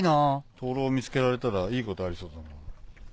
灯籠見つけられたらいいことありそうだな。